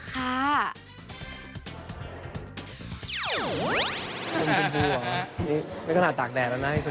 นมชมพูหรอนี่ไม่ขนาดตากแดดแล้วหน้าให้ชมพู